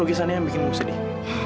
lukisan yang bikin kamu sedih